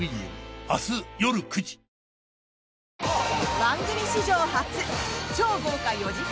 番組史上初超豪華４時間